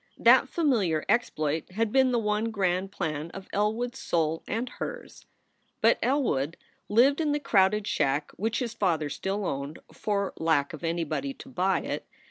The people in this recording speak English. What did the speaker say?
That familiar exploit had been the one grand plan of Elwood s soul and hers. But Elwood lived in the crowded shack which his father still owned, for lack of anybody to buy it.